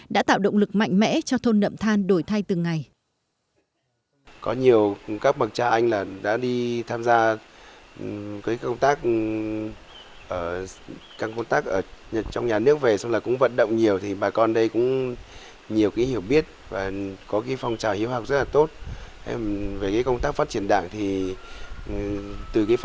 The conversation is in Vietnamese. đã tạo động lực mạnh mẽ cho thôn nậm than đổi thay từng ngày